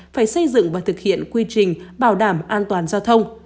phải xây dựng và thực hiện quy trình bảo đảm an toàn giao thông